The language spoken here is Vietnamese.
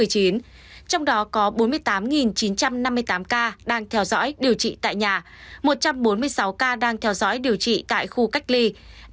trong đó có bốn mươi tám chín trăm năm mươi tám ca đang theo dõi điều trị tại nhà một trăm bốn mươi sáu ca đang theo dõi điều trị tại khu cách ly